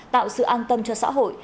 tạo sự an tâm cho xã hội